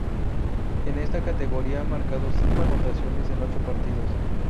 En esta categoría ha marcado cinco anotaciones en ocho partidos.